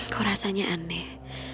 kau rasanya aneh